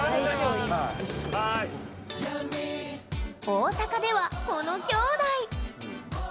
大阪では、このきょうだい。